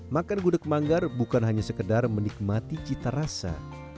makan gudeg manggar bukan hanya sekedar menikmati cita rasa